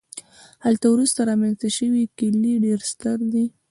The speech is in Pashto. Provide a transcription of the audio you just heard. هلته وروسته رامنځته شوي کلي ډېر ستر دي